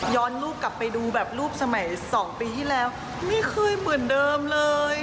รูปกลับไปดูแบบรูปสมัย๒ปีที่แล้วไม่เคยเหมือนเดิมเลย